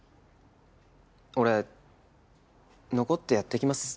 俺残ってやっていきます。